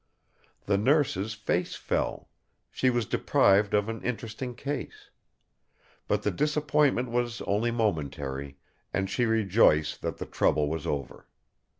The Nurse's face fell: she was deprived of an interesting case. But the disappointment was only momentary; and she rejoiced that the trouble was over.